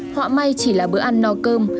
họ may chỉ là bữa ăn no cơm